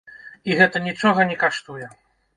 І гэта нічога не каштуе.